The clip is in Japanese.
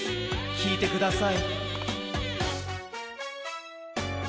きいてください。